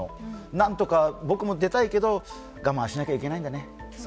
なんとか、僕も出たいけど我慢しなければいけないんだね。